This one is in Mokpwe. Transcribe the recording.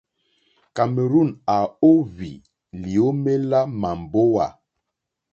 Cameroon à óhwì lyǒmélá màmbówà.